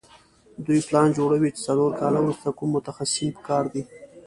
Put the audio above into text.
دوی پلان جوړوي چې څلور کاله وروسته کوم متخصصین په کار دي.